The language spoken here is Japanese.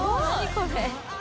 これ。